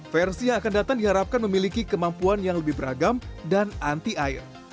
versi yang akan datang diharapkan memiliki kemampuan yang lebih beragam dan anti air